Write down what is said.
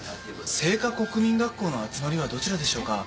誠華国民学校の集まりはどちらでしょうか？